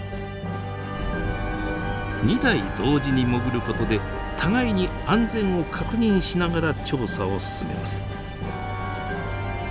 ２台同時に潜ることで互いに安全を確認しながら調査を進めます。